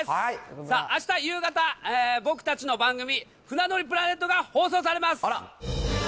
さあ、あした夕方、僕たちの番組、船乗りプラネットが放送されます。